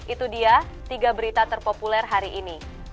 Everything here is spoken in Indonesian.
itu dia tiga berita terpopuler hari ini